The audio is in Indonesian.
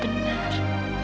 mama dan anissa benar